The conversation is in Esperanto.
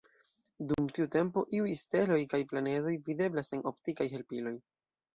Dum tiu tempo iuj steloj kaj planedoj videblas sen optikaj helpiloj.